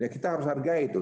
kita harus hargai itu